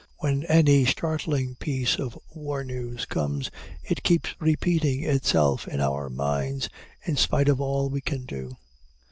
When any startling piece of war news comes, it keeps repeating itself in our minds in spite of all we can do.